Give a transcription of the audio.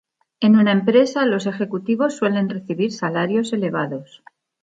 En una empresa, los ejecutivos suelen recibir salarios elevados.